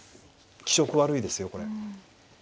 気色悪いですよこれ。